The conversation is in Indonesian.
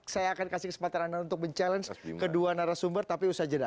saya akan kasih kesempatan anda untuk mencabar kedua narasumber tapi usaha jeda